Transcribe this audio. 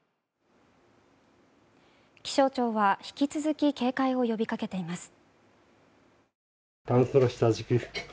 気象庁は引き続き警戒を呼びかけています。